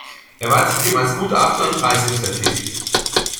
Er war zudem als Gutachter und Preisrichter tätig.